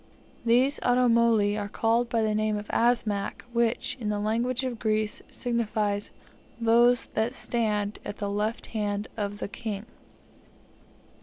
These Automoli are called by the name of Asmak, which, in the language of Greece, signifies "those that stand at the left hand of the king."